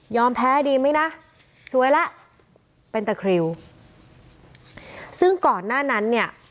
แพ้ดีไหมนะสวยแล้วเป็นตะคริวซึ่งก่อนหน้านั้นเนี่ย